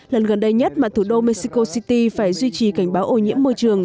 lần gần đây nhất mà thủ đô mexico city phải duy trì cảnh báo ô nhiễm môi trường